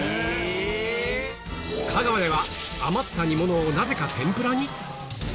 香川では余った煮物をなぜか天ぷらに！？